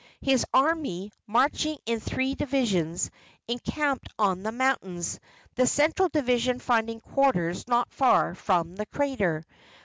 His army, marching in three divisions, encamped on the mountains, the central division finding quarters not far from the crater.